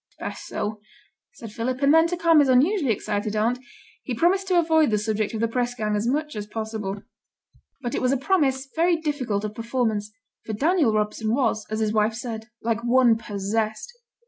'It's best so,' said Philip, and then, to calm his unusually excited aunt, he promised to avoid the subject of the press gang as much as possible. But it was a promise very difficult of performance, for Daniel Robson was, as his wife said, like one possessed.